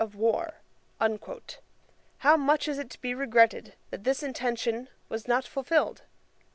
of War.' How much is it to be regretted that this intention was not fulfilled.